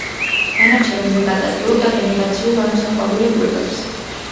განარჩევენ ვეგეტატიურ და გენერაციულ ანუ საყვავილე კვირტებს.